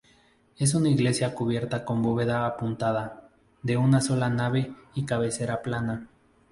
Es una iglesia cubierta con bóveda apuntada, de una sola nave y cabecera plana.